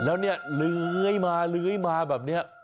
แล้วเนี่ยเล้ยมามาแบบนี้